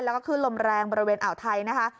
แล้วก็ขึ้นลมแรงบริเวณอ่าวไทยนะคะ